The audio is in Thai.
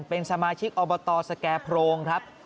เป็นสมาชิกอบตสแก่โพรงครับ